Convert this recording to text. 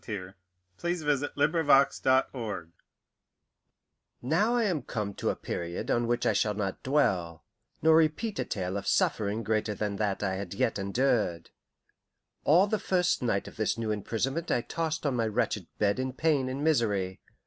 THE STEEP PATH OF CONQUEST Now I am come to a period on which I shall not dwell, nor repeat a tale of suffering greater than that I had yet endured. All the first night of this new imprisonment I tossed on my wretched bed in pain and misery.